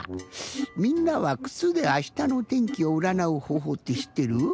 みんなはくつで明日の天気をうらなうほうほうってしってる？